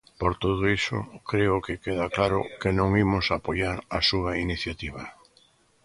Por todo iso, creo que queda claro que non imos apoiar a súa iniciativa.